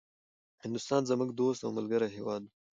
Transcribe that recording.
هندوستان زموږ دوست او ملګری هيواد ده